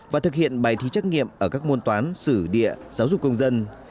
và thực hiện bài thi trắc nghiệm ở các môn toán sử địa giáo dục công dân